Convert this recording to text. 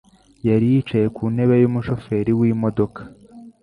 yari yicaye ku ntebe yumushoferi wimodoka.